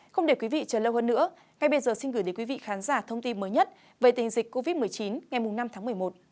không để quý vị chờ lâu hơn nữa ngay bây giờ xin gửi đến quý vị khán giả thông tin mới nhất về tình dịch covid một mươi chín ngày năm tháng một mươi một